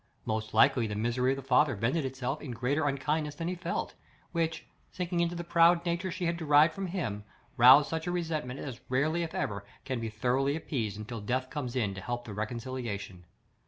Most likely the misery of the father vented itself in greater unkindness than he felt, which, sinking into the proud nature she had derived from him, roused such a resentment as rarely if ever can be thoroughly appeased until Death comes in to help the reconciliation.